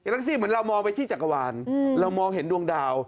แท็กซี่เหมือนเรามองไปที่จักรวาลเรามองเห็นดวงดาว